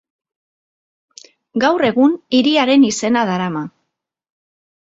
Gaur egun hiriaren izena darama.